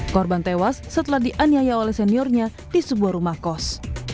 korban tewas setelah dianiaya oleh seniornya di sebuah rumah kos